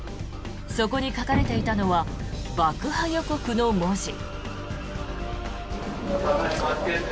そこに書かれていたのは爆破予告の文字。